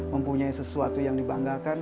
mempunyai sesuatu yang dibanggakan